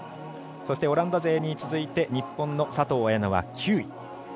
そしてオランダ勢に続いて日本の佐藤綾乃は９位。